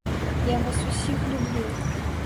Я вас усіх люблю!